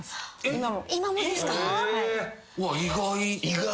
意外。